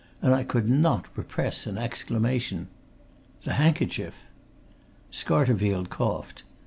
And I could not repress an exclamation. "The handkerchief!" Scarterfield coughed.